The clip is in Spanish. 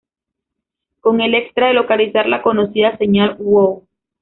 Con el extra de localizar la conocida señal Wow!